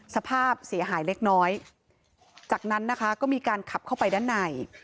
สภาพเสียหายเล็กน้อยจากนั้นนะคะก็มีการขับเข้าไปด้านใน